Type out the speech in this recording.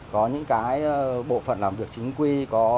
có những cái bộ phận làm việc chính quy